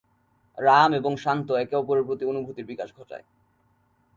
রাম এবং শান্ত একে অপরের প্রতি অনুভূতির বিকাশ ঘটায়।